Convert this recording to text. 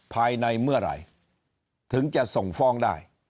ภายในเมื่อไหร่ถึงจะส่งฟ้องได้